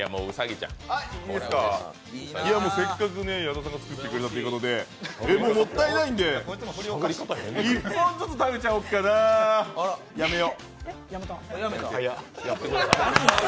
いや、せっかく矢田さんが作ってくれたということで、でももったいないんで、１本ずつ食べちゃおっかなやめよ。